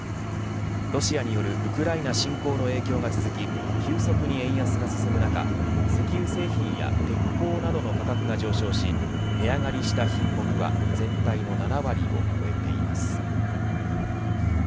ロシアによるウクライナ侵攻の影響が続き急速に円安が進む中、石油製品や鉄鋼などの価格が上昇し値上がりした品目は全体の７割を超えています。